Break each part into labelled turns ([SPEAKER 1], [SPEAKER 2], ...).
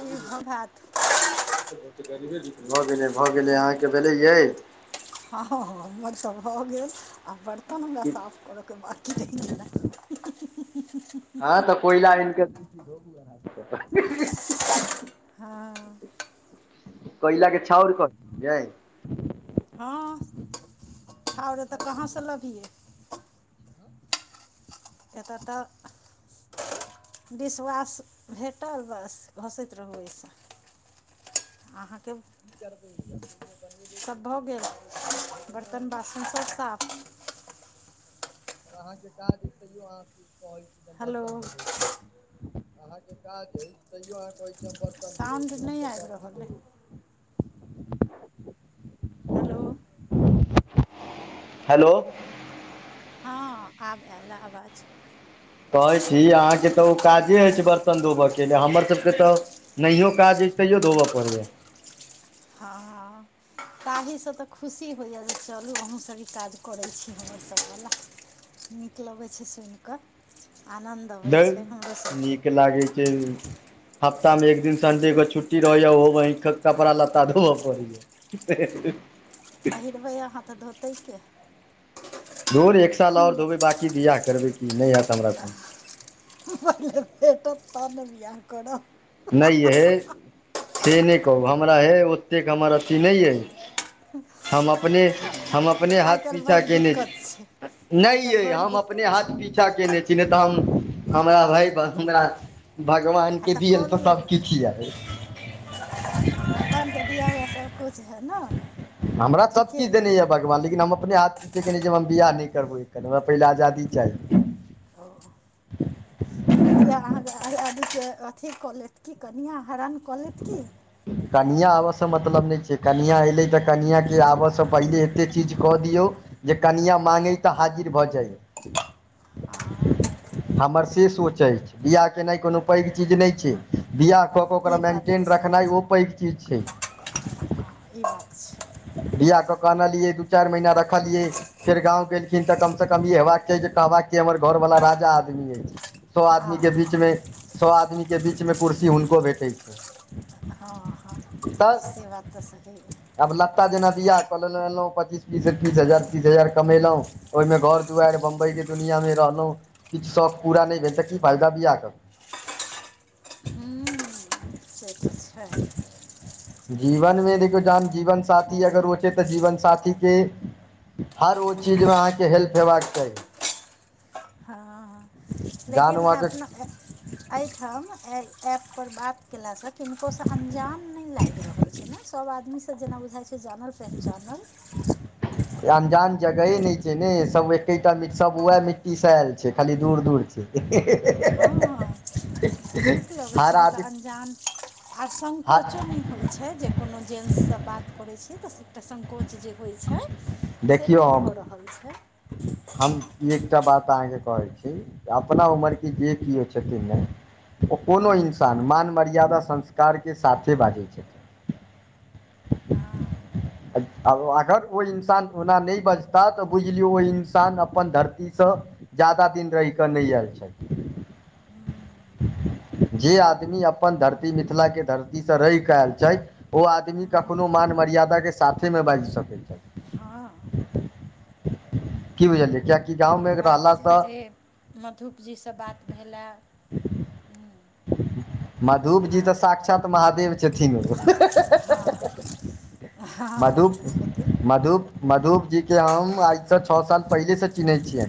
[SPEAKER 1] ई भऽ भात
[SPEAKER 2] भ गेलै भ गेलै, अहाँ के भेलैै यै।
[SPEAKER 1] हँ हँ हँ हमर त भ गेल आ बर तन हमर
[SPEAKER 2] कि
[SPEAKER 1] साफ कर के बाकी रहि गेल हाँ
[SPEAKER 2] हँ त कोयला आनि के [inaudible] धो दिए अपन।
[SPEAKER 1] हँ हाँ।
[SPEAKER 2] कोयला के छाउर क देलिए।
[SPEAKER 1] हँ छाउर एत कहा से लबियै। एतऽ त विश्वास भेटल बस घसैत रहू ओइसे। अहाँ के
[SPEAKER 2] की करबै। बनेबै तऽ
[SPEAKER 1] सब भ
[SPEAKER 2] जाहिमे
[SPEAKER 1] गेल,
[SPEAKER 2] खेबै तऽ
[SPEAKER 1] बर्तन बासन सब साफ
[SPEAKER 2] अहाँ के काज अछि तहियो अहा कहै छीये
[SPEAKER 1] हेलो
[SPEAKER 2] बर्तन धोबै छी। अहाँ के काज अछि तैयो अहाँ कहै छी हम बर्तन धोबै
[SPEAKER 1] साउण्ड
[SPEAKER 2] छी
[SPEAKER 1] नै
[SPEAKER 2] हमसभ तऽ
[SPEAKER 1] आबि
[SPEAKER 2] अपने
[SPEAKER 1] रहल अइ।
[SPEAKER 2] धोबै छी
[SPEAKER 1] हेलो।
[SPEAKER 2] हेलो।
[SPEAKER 1] हँ आब आयल ए आवाज।
[SPEAKER 2] कहै छी अहाँ के त ओ काजे अछि छै बर्तन धोबऽ के हमर सब के तऽ। नहियो काज अछि तैयो धोबऽ पड़ैये।
[SPEAKER 1] हँ। ताही से त खुशी होइए जे चलू अहुँ सभ ई काज करै छी हमर सब वला। नीक लगै छै सुनि क, आनन्द अबै
[SPEAKER 2] धौर,
[SPEAKER 1] छै हमरो सभके
[SPEAKER 2] नीक लागै छै उं हफ्ता मे एक दिन संडे के छुट्टी रहैये ओहो मे कपड़ा लत्ता धोबऽ पड़ैये। ह ह।
[SPEAKER 1] पहिरबै अहाँ त धोतै के?
[SPEAKER 2] धौर एक साल औश्र धोबे बाँकी बिआह करबै की नै हैत हमरा सं।
[SPEAKER 1] पहिले भेटत तहन ने बियख करब।
[SPEAKER 2] नै यऽ। से नै कहू हमरा हे ओतेक हमर अथी नै अइ, हम अपने हम अपने
[SPEAKER 1] आइ
[SPEAKER 2] हाथ
[SPEAKER 1] काल्हि
[SPEAKER 2] पीछा
[SPEAKER 1] बड्ड
[SPEAKER 2] केने छी,
[SPEAKER 1] दिक्कत छै
[SPEAKER 2] नै
[SPEAKER 1] आइ काल्हि
[SPEAKER 2] यैऽ
[SPEAKER 1] बड्ड
[SPEAKER 2] हम अपने
[SPEAKER 1] दिक्कत
[SPEAKER 2] हाथ
[SPEAKER 1] छै
[SPEAKER 2] पीछा छा कयने छी, नै तऽ हम हमरा भय हमरा भगवान
[SPEAKER 1] हँ
[SPEAKER 2] के
[SPEAKER 1] तऽ
[SPEAKER 2] देल
[SPEAKER 1] कऽ लिअ
[SPEAKER 2] अय।
[SPEAKER 1] भगवान का दिया हुआ सब कुछ है ना।
[SPEAKER 2] हमरा सब किछ देने ये भगवान लेकिन, हम अपने से कनी जे हम बियाह नहि करबै, एक क हमरा पहिले आजादी चाही।
[SPEAKER 1] हं। किया अहाँके आदीत्य अथी कऽ लेत कि कनियां हरन कऽ लेत की?
[SPEAKER 2] कनियां आबयऽ सँ मतलब नै छैय, कनियां एयलै तऽ कनियांके आबयऽ सँ पहिले एतेक चीज कऽ दियौ। जे कनिआ मांगै तऽ हाजिर भऽ जाइ। हमर से सोच अछि, बियाह केनाइ कोनो पैघ चीज नै छैय, बियह कऽ कऽ
[SPEAKER 1] ई
[SPEAKER 2] ओकरा
[SPEAKER 1] बात तऽ
[SPEAKER 2] मेन्टेन
[SPEAKER 1] सही
[SPEAKER 2] रखनाइ
[SPEAKER 1] छै
[SPEAKER 2] ओ पैघ चीज छैय।
[SPEAKER 1] हँ ई बात छैय।
[SPEAKER 2] बियाह कऽ केऽ अनलियै दू -चारि महीना रखलियै फेर गाँंव गेलखिन तऽ कम से कम ई हेबाक चाही जे, कहबाक हमर घरवालला राजा आदमी अछि। सौ आदमी
[SPEAKER 1] हँ
[SPEAKER 2] के
[SPEAKER 1] हँ
[SPEAKER 2] बीच में, सौ आदमी के बीच मे कुर्सी हुनको भेटैत छैइन।
[SPEAKER 1] हँ- हँ से बात तऽ सही अय।
[SPEAKER 2] आब लत्ता जेना बियाह कऽ लेलहु एनलहुँ, पच्चीस -तीस-तीस हजार तीस हजार कमेलहुँ। ओहि में घर दुआरि बंम्बाई के दुनिआँमे रहलहुँ, किछु शौक पूरा नहि भेल तऽ की फायदा बियाह कऽ के।
[SPEAKER 1] हुं से तऽ छैय।
[SPEAKER 2] जीवन में देखियौ जहन जीवन साथी अगर हो छै, तऽ जीवन साथी के हर ओ चीज में अहाँके हेल्प हेबाक चाही।
[SPEAKER 1] हँ - हँ
[SPEAKER 2] जहन ओ
[SPEAKER 1] लेकिन अपना
[SPEAKER 2] अहाँके
[SPEAKER 1] एहिठाम एहि ऐप पर बात केला सँ किनको सँ अन्जान नहि लागि रहल छैय ने, सब आदमी सँ जेना बुझाइ छैय जानल पहचानल।
[SPEAKER 2] अनजान जगहे नहि छैय ने, सब एकेटा सब उएह मिट्टी से आयल छै खाली दूर- दूर छै। ह
[SPEAKER 1] हांऽ। नीक लगैत छै,
[SPEAKER 2] हर आदमी
[SPEAKER 1] मतलब अन्जान आर संकोचो
[SPEAKER 2] हर
[SPEAKER 1] नै होइत छै जे कोनो जेन्ट्स सँ बात करै छीय तऽ एकटा सङ्कोच जे होइ छै, से
[SPEAKER 2] देखियौ
[SPEAKER 1] नहि
[SPEAKER 2] हम
[SPEAKER 1] भऽ रहल हल छैय।
[SPEAKER 2] हम एकटा बात अहाँके कहै छी। अपना उमर क जे किओ छथिन ने ओ कोनो इन्सान, मान मर्यादा संस्कारके साथे बाजैत छथिन।
[SPEAKER 1] हँ
[SPEAKER 2] अगर ओ इन्सान ओना नहि बजता तऽ बुझ लियो ओ इन्सान अपन धरती सँ जादा दिन रहिकऽ नै आयल छथि।
[SPEAKER 1] हूं।
[SPEAKER 2] जे आदमी अपन धरती मिथिला के धरतीसँ रहि कऽ आयल छाथि। ओ आदमी कखनो मान मर्यादाके साथेमें बाजि सकैत छैथ।
[SPEAKER 1] हाँ
[SPEAKER 2] की बुझलिया कियकि गाँंवमे रहल स ऽ
[SPEAKER 1] माधुजीसँ बात भेलै हे?
[SPEAKER 2] माधु जी तऽ
[SPEAKER 1] आर
[SPEAKER 2] साक्षात महादेव छथिन ओ,
[SPEAKER 1] हँ हँ
[SPEAKER 2] मधु
[SPEAKER 1] लेकिन
[SPEAKER 2] मधु मधु जी, कि हम आइसँ छओ साल पहिलेसँ चिन्हैत छियै।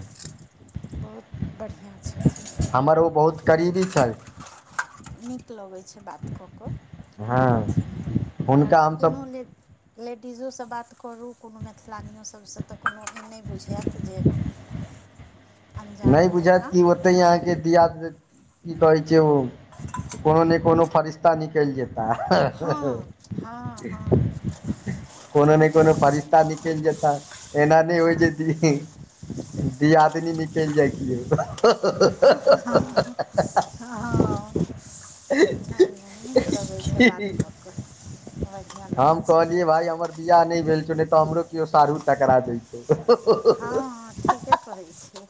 [SPEAKER 1] बहुत बढ़िआँ छथिन।
[SPEAKER 2] हमर ओ बहुत गरीबी छल।
[SPEAKER 1] नीक लगैत छै बात कऽ कऽ कोनो
[SPEAKER 2] हँ
[SPEAKER 1] अथी नहि आर
[SPEAKER 2] हुनका हमसभ
[SPEAKER 1] कोनो लेल। लेडीजोसँ बात करू कोनो मैथिलानिओ सभसँ तऽ कोनो नहि बुझायत जे। [inaudible]
[SPEAKER 2] नहि बुझत
[SPEAKER 1] जकाँ
[SPEAKER 2] कि ओतहि अहाँके दआ की कहैत छै ओ। कोनो नहि कोनो फरिश्ता निकलि जेता।
[SPEAKER 1] हँ हँ हँ [inaudible]
[SPEAKER 2] कोनो ने कोनो
[SPEAKER 1] लगै
[SPEAKER 2] फरिश्ता
[SPEAKER 1] छै
[SPEAKER 2] निकल जता एना नहि होइ
[SPEAKER 1] हँ
[SPEAKER 2] जे। दियादनी निकलि जाइ छिय।
[SPEAKER 1] हँ। नहि नहि नीक लगै छै बात
[SPEAKER 2] कि
[SPEAKER 1] कऽ कऽ बढ़िआँ लगै
[SPEAKER 2] हम
[SPEAKER 1] छै।
[SPEAKER 2] कहलियै भाय हमर बियाह नहि भेल छौ ने तऽ हमरो केओ साढू टकरा जेते।
[SPEAKER 1] हँ हँ ठीके कहै छियै।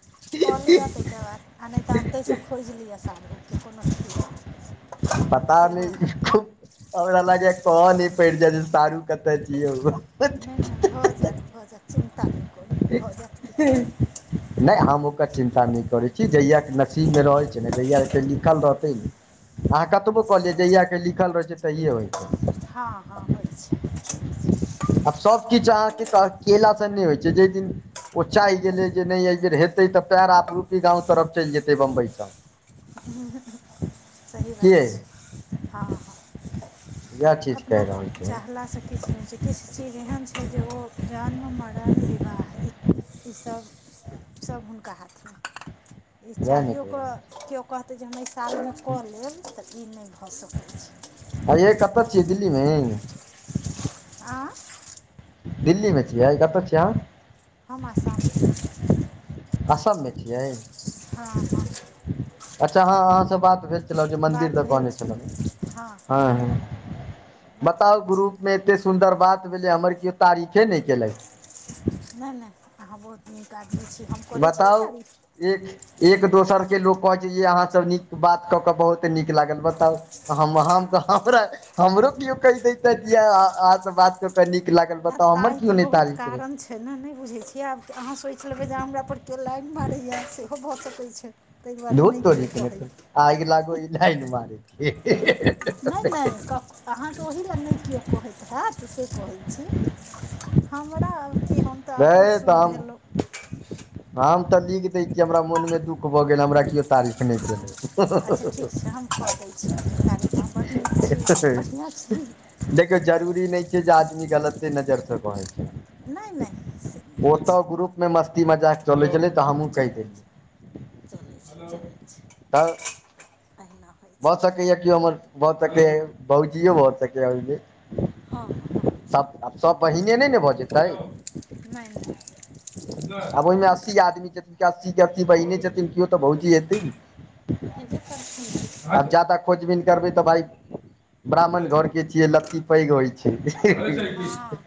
[SPEAKER 1] कऽ लिअ ताहिके बाद आ नहि तऽ एतहिसँ खोजि लिअ साढ़ू के कोनो चीज नहि।
[SPEAKER 2] पता
[SPEAKER 1] सेहो
[SPEAKER 2] नहि
[SPEAKER 1] हैत
[SPEAKER 2] खूब। हमरा लाग कहऽ नहि पड़ि जाय साढ़ू कतऽ छियै।
[SPEAKER 1] नहि नहि भऽ जायत भऽ जायत चिन्ता नहि करू भऽ जायत कि।
[SPEAKER 2] नहि हम ओकर चिन्ता नहि करैत छी जहियाक नसीबमे रहैत छै ने जहियत लिखल रहतै ने। अहाँ कतबो कहलियै जहियाके लिखल रहैत छै तहिए होइत छै।
[SPEAKER 1] हँ हँ होइ छै।
[SPEAKER 2] काहेला स नहि होइ छै जेहि दिन। ओ चाहि गेलै जे नहि एहिबर हेतै तऽ आपरूपी गाँव तरफ चलि जेतै बम्बइसँ।
[SPEAKER 1] सही बात
[SPEAKER 2] के
[SPEAKER 1] छै हँ हँ।
[SPEAKER 2] वएह चीज
[SPEAKER 1] अपना
[SPEAKER 2] कहि रहल छी
[SPEAKER 1] चाहलासँ किछु नहि छै। किछु चीज एहन छै जे ओ जन्म मरण विवाह इसभ, सभ हुनका हाथमे। ई
[SPEAKER 2] वएह ने
[SPEAKER 1] चाहियओ
[SPEAKER 2] कहि
[SPEAKER 1] कऽ
[SPEAKER 2] रहल
[SPEAKER 1] केओ कहतै जे हम एहि सालमे कऽ लेब तऽ ई नहि भऽ सकै छै।
[SPEAKER 2] ह य कतऽ छियै दिल्लीमे?
[SPEAKER 1] आँ।
[SPEAKER 2] दिल्ली मे छियै कतऽ छियै अहाँ?
[SPEAKER 1] हम आसम,
[SPEAKER 2] असम मे छियै?
[SPEAKER 1] हँ हँ।
[SPEAKER 2] अच्छा हँ अहाँसँ बात भ। मन्दिर
[SPEAKER 1] बात
[SPEAKER 2] त
[SPEAKER 1] भेल
[SPEAKER 2] कहने छल
[SPEAKER 1] छलै
[SPEAKER 2] हँ ह
[SPEAKER 1] बात
[SPEAKER 2] बताउ
[SPEAKER 1] भेल
[SPEAKER 2] ग्रुपमे।
[SPEAKER 1] छलै
[SPEAKER 2] एतेक सुन्दर बात भेलै हमर केओ तारीफे नहि कैले
[SPEAKER 1] नहि नहि अहाँ बहुत नीक आदमी छी हम करैत छी ने
[SPEAKER 2] बताउ
[SPEAKER 1] तारीफ।
[SPEAKER 2] एक एक दोसरके लोक कहैत छै जे अहाँसभ नीक बात कऽ कऽ बहुत नीक लागल बताउ। हम हम तऽ हमरा हमरो कियो कह देैथेत यैह अ-अ अहां से बात क कै नीक लागल।
[SPEAKER 1] आ
[SPEAKER 2] बताउ हमर
[SPEAKER 1] तै
[SPEAKER 2] कियो
[SPEAKER 1] के
[SPEAKER 2] नहि
[SPEAKER 1] बहुत
[SPEAKER 2] तारीफ
[SPEAKER 1] कारण
[SPEAKER 2] केलक
[SPEAKER 1] छै। छै नै ऐना नै बुझय छियै आब अहाँ सोएच लेबै जे हमरा पर कियो लाइन मारै यै सेहो भऽ सकै छै। तै दुआरे नै कियो कहै
[SPEAKER 2] आएग लागो ई लाएन मारै के।
[SPEAKER 1] नै-नै कक अहाँके ओही लै नै कियौ कहैत हैत से कहै छी। हमरा की हम तै आब
[SPEAKER 2] हे
[SPEAKER 1] बुढ़-सुढ़
[SPEAKER 2] तऽ हम
[SPEAKER 1] भेलौ।
[SPEAKER 2] हम तऽ लिख दै छियै, हमरा मोन मे दुःख भऽ गेल हमरा कियो तारीफ नै केल
[SPEAKER 1] अच्छा ठीक छै, हम कऽ दै छी अहाँ के तारीफ, अहाँ बड्ड नीक छी,
[SPEAKER 2] केलै
[SPEAKER 1] बढ़िया छी।
[SPEAKER 2] देखियौ जरूरी नै छै जे आदमी गलते नजर से कहै छै।
[SPEAKER 1] नहि नहि से नहि
[SPEAKER 2] ओ
[SPEAKER 1] होइ
[SPEAKER 2] तऽ
[SPEAKER 1] छै
[SPEAKER 2] ग्रुप मे मस्ती मजाक चलै छलै तऽ
[SPEAKER 1] आ
[SPEAKER 2] हमहुँ कहि
[SPEAKER 1] चलै छै,
[SPEAKER 2] देलियै
[SPEAKER 1] चलै छै, चलै छै
[SPEAKER 2] तऽ
[SPEAKER 1] एहना
[SPEAKER 2] भऽ सकय यै कियो हमर भऽ सकय भौजियौ भऽ सकय यै ओय मे।
[SPEAKER 1] हां-हां।
[SPEAKER 2] सब आब सब बहिने नै न भऽ जेतै
[SPEAKER 1] नै-नै।
[SPEAKER 2] आब ओयमे अस्सी आदमी छै त की अस्सी के अस्सी बहिने छथिन कियो तऽ भौजी हेते नै।
[SPEAKER 1] हेेबे करथिन की
[SPEAKER 2] आब जादा खोजबीन करबै तऽ भाइ ब्राह्मण घर के छियै लत्ती पैग होय छै
[SPEAKER 1] हँ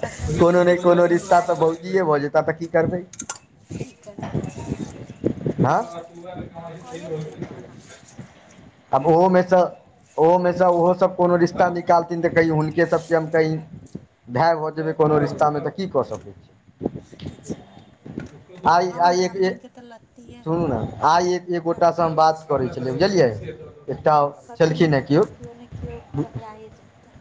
[SPEAKER 1] कतहु ने
[SPEAKER 2] कोनो नै
[SPEAKER 1] कतहुसँ
[SPEAKER 2] कोनो रिश्ता तऽ
[SPEAKER 1] रिश्तेदारी
[SPEAKER 2] भौजिये भऽ जेतै। ता तक की करबै?
[SPEAKER 1] की करबै कीछो नै।
[SPEAKER 2] हां।
[SPEAKER 1] ना
[SPEAKER 2] आब ओहो मे से ओहो मे से उहो सब कोनो रिश्ता निकालथिन तऽ कही हुनके सबके हम कहीँ भै भऽ जेबै कोनो रिश्तामे तऽ की कऽ सकै
[SPEAKER 1] किछ नै
[SPEAKER 2] आय-आय एक ए सुनू नै आइ एक एक गोटा से
[SPEAKER 1] बड़का
[SPEAKER 2] हम
[SPEAKER 1] होइ
[SPEAKER 2] बात
[SPEAKER 1] छै
[SPEAKER 2] करय छलिए बुझलियै एकटा
[SPEAKER 1] कतहु ने
[SPEAKER 2] छैलखिन्ह यै
[SPEAKER 1] कतहु
[SPEAKER 2] कियो
[SPEAKER 1] केओ ने केओ
[SPEAKER 2] उम्म
[SPEAKER 1] टकराए जेतै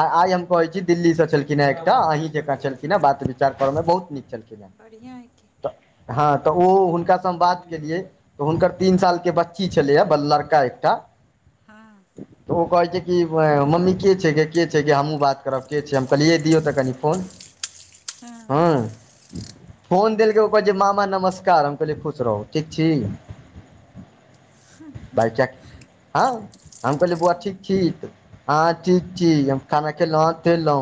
[SPEAKER 2] आय-आय हम कहय छी दिल्ली से छलखिन्ह हें एकटा अहीँ जकाँ छलखिन्ह हेँ बात विचार करय मे बहुत नीक छलखिन्ह
[SPEAKER 1] बढ़िआँ अइ कि
[SPEAKER 2] तऽ हां तऽ ओ हुनकाँ से हम बात केलियै तऽ हुनकर तीन साल के बच्च ची छलै यै ब लड़का एकटा
[SPEAKER 1] हाँ।
[SPEAKER 2] त‌ ओ कहै छै कि [unintelligible] मम्मी के छै गे, के छै गे हम्हूँ बात करब के छै, हम कहलिए दियौ तऽ कनि फोन
[SPEAKER 1] हां।
[SPEAKER 2] हँ फोन देलके ओकर जे मामा नमस्कार हम कहलियै खुश रहू ठीक छी? बच्चाक हां हम कहलिए बौआ ठीक छी? हां ठीक छी, हम खाना खेलौ हां खेलौ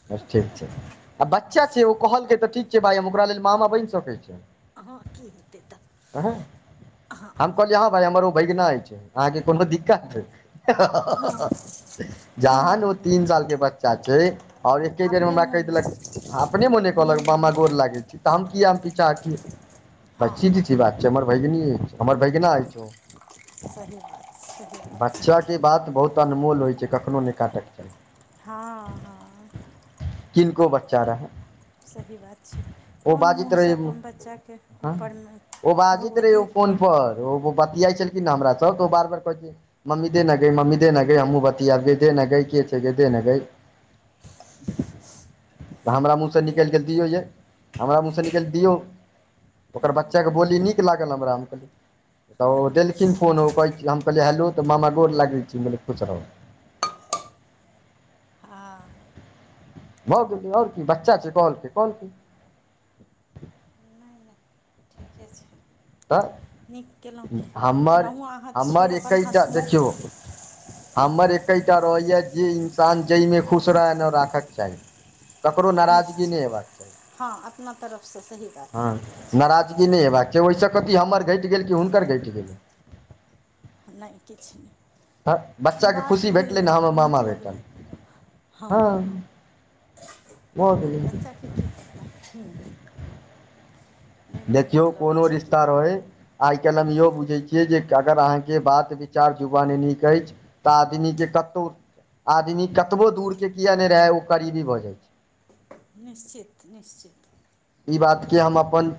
[SPEAKER 2] [inaudible] ठीक छै आ बच्चा छै ओ कहलकै तऽ ठीक छै भाय हम ओकरा लेल मामा बैन सकै छी।
[SPEAKER 1] हां की हेतै तऽ
[SPEAKER 2] वहै हम कहलियै हां भाय हमर ओ भैगना ऐछ अहाँके कोनो दिक्कत?
[SPEAKER 1] हँ नहि
[SPEAKER 2] जहान
[SPEAKER 1] नहि
[SPEAKER 2] ओ
[SPEAKER 1] नहि
[SPEAKER 2] तीन सालके बच्चा छै आओर एके बेर मे
[SPEAKER 1] अपने
[SPEAKER 2] हमरा कहि
[SPEAKER 1] मोने
[SPEAKER 2] देलक अपने मने
[SPEAKER 1] हूँ
[SPEAKER 2] कहलक मामा गोर लागैत छी। हम क पीछा
[SPEAKER 1] हँ हँ
[SPEAKER 2] हटिये बात छै हमर भगिनी हमर भग
[SPEAKER 1] [unintelligible] हँ सही बात सही
[SPEAKER 2] बच्चा
[SPEAKER 1] बात।
[SPEAKER 2] के बात बहुत अनमोल होइ छै कखनो नहि काटैके चाही।
[SPEAKER 1] हँ हँ
[SPEAKER 2] किनको बच्चा रहै।
[SPEAKER 1] सही बात छै
[SPEAKER 2] ओ
[SPEAKER 1] कोन
[SPEAKER 2] बाजैत रहै
[SPEAKER 1] मुँहसँ कोन
[SPEAKER 2] ओ
[SPEAKER 1] बच्चाके ऊपरमे
[SPEAKER 2] बाजैत रहै
[SPEAKER 1] भगवती
[SPEAKER 2] फोन ओ बतियाइ छलखिन हमरा स तऽ ओ बार बार कह मम्मी देने गै, मम्मी देने गै, हमहूँ बतियेबे आबे देने गै के छै गे देने गै। तऽ हमरा मूँहसँ निकलि गेल दियौ
[SPEAKER 1] धियापुताके
[SPEAKER 2] यए हमरा मूँहसँ निकलि गेल दियौ। ओकर बच्चाके बोली नीक लागल हमरा तऽ ओ देलखिन। फोन हो कहै छी हम कहलै हेलू तऽ मामा गोर लागै छी कुचो
[SPEAKER 1] हँ
[SPEAKER 2] भऽ गेलै आओर की बच्चा छै कहलके कहन की
[SPEAKER 1] नहि नहि ठीके छै।
[SPEAKER 2] तऽ
[SPEAKER 1] नीक कयलहुँ कि
[SPEAKER 2] हमर
[SPEAKER 1] ओनाहु अहाँ छी
[SPEAKER 2] हमर
[SPEAKER 1] अपन
[SPEAKER 2] एकैटा
[SPEAKER 1] हँसमुख।
[SPEAKER 2] देखियौ हमर एकैटा रहैया जे इन्सान जाहिमे खुश रहय नहि राखऽ के चाही। ककरो नाराजगी
[SPEAKER 1] निश्चित
[SPEAKER 2] नै हमर से
[SPEAKER 1] हँ अपना तरफसँ सही बात
[SPEAKER 2] [unintelligible]
[SPEAKER 1] सही
[SPEAKER 2] हँ
[SPEAKER 1] बात
[SPEAKER 2] नराज। नहि हेबाक छै ओहिसँ कथ हमर घटि गेल कि हुनकर घटि गेल।
[SPEAKER 1] नहि किछु नहि
[SPEAKER 2] बच्चाके
[SPEAKER 1] बात
[SPEAKER 2] खुशी भेटलै
[SPEAKER 1] भेलै
[SPEAKER 2] ने हमर
[SPEAKER 1] नीक
[SPEAKER 2] मामा भेटल
[SPEAKER 1] लगलै। हँ हँ
[SPEAKER 2] भऽ गेलै
[SPEAKER 1] बच्चाके की पता ह।
[SPEAKER 2] देखियौ
[SPEAKER 1] लगै
[SPEAKER 2] कोनो
[SPEAKER 1] छै कि
[SPEAKER 2] रिश्ता रहय। आइकाल्हि हम इहो बुझै छियै जे अगर अहाँके बात विचार युवा नीक अछि। तऽ आदमीके कतहु आदमी कतबो दूरके किए नहि रहय ओ करीबी भऽ जाइत छै।
[SPEAKER 1] निश्चित निश्चित।
[SPEAKER 2] ई बातके हम अपन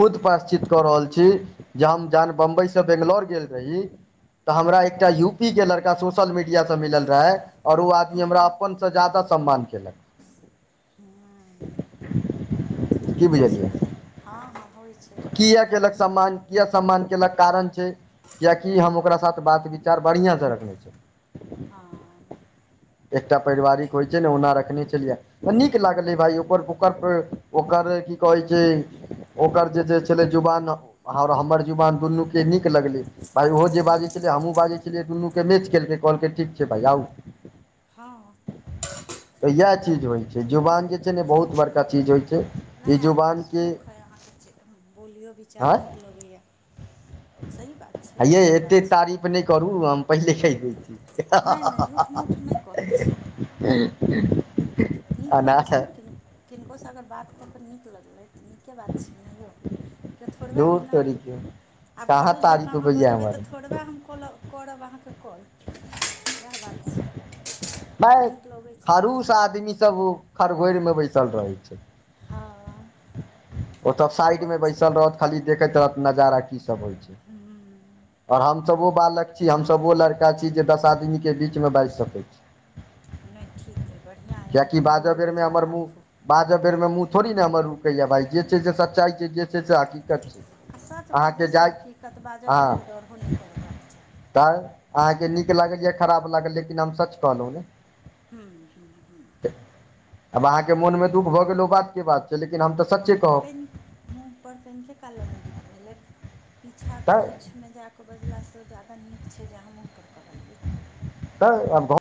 [SPEAKER 2] खुद प्रास्चत कऽ रहल छी जे हम जहन बम्बईसँ बेंगलोर गेल रही तऽ हमरा एकटा यूपीे के लड़का सोशल मीडियासँ मिलल रहै। आओर ओ आदमी
[SPEAKER 1] हँ
[SPEAKER 2] हमरा अपनसँ ज्यादा सम्मान केलक।
[SPEAKER 1] नहि
[SPEAKER 2] की
[SPEAKER 1] होइ छै
[SPEAKER 2] बुझलियै
[SPEAKER 1] कि हँ हँ होइ छै एखनो
[SPEAKER 2] किया
[SPEAKER 1] एहन
[SPEAKER 2] केलक
[SPEAKER 1] एहन।
[SPEAKER 2] सम्मान किया सम्मान केलक कारण छै कियकि हम ओकरा साथ बात विचार बढ़िया से रखने छी।
[SPEAKER 1] हँ
[SPEAKER 2] एकटा पारिवारिक होइत छै ने ओना रखने छलियै तऽ नीक लागलै भााय ओकर ओकर। ओकर की कहैत छै ओकर जे जे छलै जुवान आओर हमर जुबान दुनूके नीक लगलै। भाइ ओहो जे बाजै छलै हमहूँ बाजै छलियै दुनूके मैच खेलकै कहलकै ठीक छै भाइ आउ।
[SPEAKER 1] हँ ह
[SPEAKER 2] तऽ इएह चीज होइ छै
[SPEAKER 1] ठीके
[SPEAKER 2] जुवान जे छै
[SPEAKER 1] कि
[SPEAKER 2] ने बहुत बड़का चीज होइ छै। ई
[SPEAKER 1] नहि आर
[SPEAKER 2] जुबान के
[SPEAKER 1] हँसमख हइ अहाँके बोलियो विचार नीक लगैए। सही बात
[SPEAKER 2] ह
[SPEAKER 1] छै
[SPEAKER 2] ये
[SPEAKER 1] नीक
[SPEAKER 2] एतेक
[SPEAKER 1] बात छै
[SPEAKER 2] तारीफ नहि करू हम पहिले कहि दै छी [unintelligible]
[SPEAKER 1] नहि नहि झूठ मूठ नहि कहैत छै।
[SPEAKER 2] हू ह।
[SPEAKER 1] नीक लगैत छै ने कि किनकोसँ अगर बात कर तऽ नीक लगलै तऽ नीके बात छै ने यौ केतो थोड़बे
[SPEAKER 2] धूर
[SPEAKER 1] ओहिना
[SPEAKER 2] तोरी के
[SPEAKER 1] आब
[SPEAKER 2] कहाँ
[SPEAKER 1] खड़ुश जकाँ
[SPEAKER 2] तारीफ
[SPEAKER 1] अहाँ
[SPEAKER 2] होइया
[SPEAKER 1] बजबै
[SPEAKER 2] हमर
[SPEAKER 1] तऽ थोड़बे हम कहऽलब। करब अहाँके कॉल इएह बात छै।
[SPEAKER 2] नहि,
[SPEAKER 1] नीक लगै छै
[SPEAKER 2] खरूश आदमी सब खरहोरि मे बैसल रहै छै।
[SPEAKER 1] हँ।
[SPEAKER 2] ओ सब साइड
[SPEAKER 1] होइ
[SPEAKER 2] में
[SPEAKER 1] छै
[SPEAKER 2] बैसल रहत खाली देखैत रहत नजारा की सब होय छै।
[SPEAKER 1] हू।
[SPEAKER 2] आओर हम सभ ओ बालक छी हमसभ‌ ओ लड़का छी जे दस आदमी के बीचमे बाजि सकैत छी।
[SPEAKER 1] नै ठीक अइ बढ़िआँ अइ, एहने बोली विचार राखू।
[SPEAKER 2] बाजह बेर मे मुँह थोड़ी ने हमर रुकैए भाय जे छै से सच्चाइ छै जे छै से हकीकत छै।
[SPEAKER 1] आ सच
[SPEAKER 2] अहाँके
[SPEAKER 1] बाजऽसँ
[SPEAKER 2] जाइ
[SPEAKER 1] हकीकत बाजऽके लेल डरो नहि करबाके चाही।
[SPEAKER 2] तैं अहाँके नीक लागल या खराब लागल लेकिन हम सच कहलहुँ ने।
[SPEAKER 1] हूँ हूँ हूँ।
[SPEAKER 2] आब अहाँके मोनमे दुःख भऽ गेल ओ बात के बात छै लेकिन हम तऽ सच्चे कह।
[SPEAKER 1] उंह मुँह पर कने काल ले ने दुःख भेलै, पीछा त
[SPEAKER 2] तऽ
[SPEAKER 1] होइछै। में जा के बजला से जादा नीक छै जे अहां मुंह पर कहलियै।
[SPEAKER 2] है अहां बहुत।